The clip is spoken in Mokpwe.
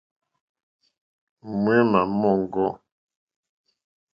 Ŋměmà móŋɡô.